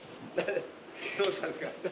どうしたんですか。